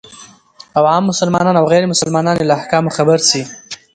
او عام مسلمانان او غير مسلمانان يې له احکامو خبر سي،